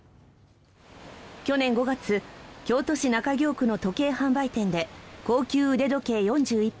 去年５月京都市中京区の時計販売店で高級腕時計４１本